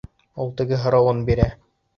Ул теге һорауын бирә.